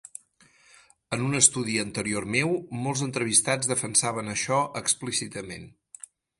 En un estudi anterior meu, molts entrevistats defensaven això explícitament.